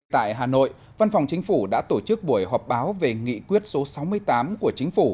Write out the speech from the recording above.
tại hà nội văn phòng chính phủ đã tổ chức buổi họp báo về nghị quyết số sáu mươi tám của chính phủ